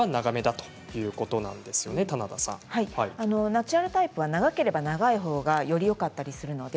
ナチュラルタイプは長ければ長いほどよりよかったりします。